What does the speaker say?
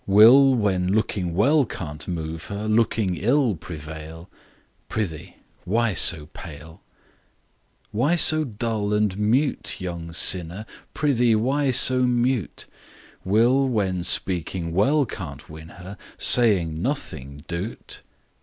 Will, when looking well can't move her, Looking ill prevail ? Prithee, why so pale ? Why so dull and mute, young sinner ? Prithee, why so mute ? Will, when speaking well can't win her, Saying nothing do 't